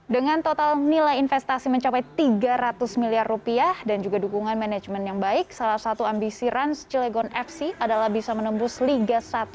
dengan total nilai investasi mencapai tiga ratus miliar rupiah dan juga dukungan manajemen yang baik salah satu ambisi rans cilegon fc adalah bisa menembus liga satu